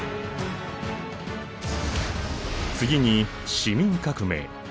次に市民革命。